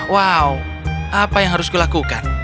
wow apa yang harus kulakukan